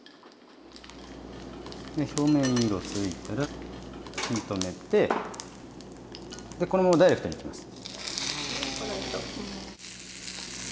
表面色ついたら火止めてこのままダイレクトにいきます。